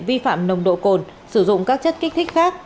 vi phạm nồng độ cồn sử dụng các chất kích thích khác